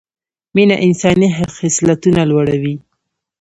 مینه انساني خصلتونه لوړه وي